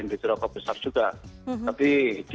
industri rokok besar juga tapi di